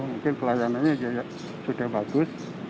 mungkin pelayanannya sudah bagus